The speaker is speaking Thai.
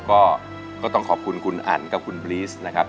ก็ต้องขอบคุณคุณอันกับคุณบลีสนะครับ